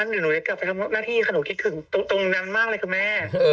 เดี๋ยวหนูจะกลับไปทำหน้าที่ค่ะหนูคิดถึงตรงนั้นมากเลยคือแม่